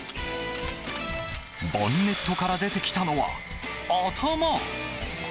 ボンネットから出てきたのは頭。